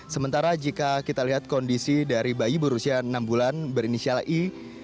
sementara jika kita lihat kondisi dari bayi berusia enam bulan berinisial i